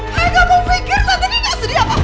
hai kamu pikir tante ini gak sedih apa